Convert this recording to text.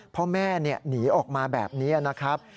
พ่อแม่หนีออกมาแบบนี้นะครับ